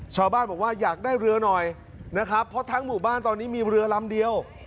ชาวบ้านบอกว่าอยากได้เรือหน่อยนะครับเพราะทั้งหมู่บ้านตอนนี้มีเรือลำเดียว